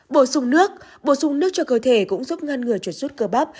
bổ sung nước bổ sung nước cho cơ thể cũng giúp ngăn ngừa chuột suốt cơ bắp